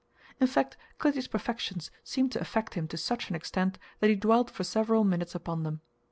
In fact, Clytie's perfections seemed to affect him to such an extent that he dwelt for several minutes upon them.